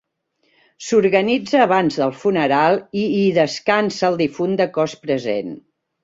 S'organitza abans del funeral i hi descansa el difunt de cos present.